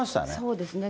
そうですね。